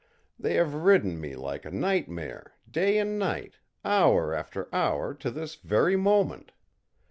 They have ridden me like a nightmare, day and night, hour after hour, to this very moment.